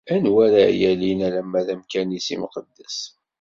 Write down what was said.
Anwa ara yalin alamma d amkan-is imqeddes?